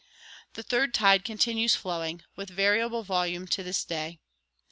The third tide continues flowing, with variable volume, to this day.